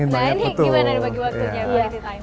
nah ini gimana dibagi waktunya